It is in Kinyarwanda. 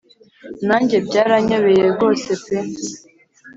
nanjye byaranyobeye rwose pe